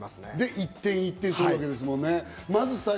１点１点取るわけですもんね。